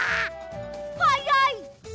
はやい！